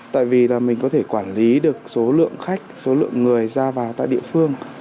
tại vì mình có thể quản lý được số lượng khách số lượng người ra vào tại địa phương